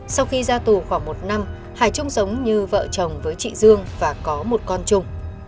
sau khi ra tù khoảng một năm hải chung giống như vợ chồng với chị dương và có một con chung